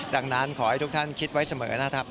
ดังนั้นขอให้ทุกท่านคิดไว้เสมอนะครับ